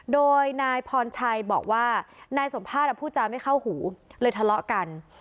โดยนายพรชัยบอกว่านายทรงพากษาภูมิไม่เข้าหูทะเลาะกัน